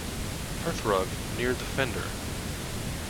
Hearthrug, near the fender.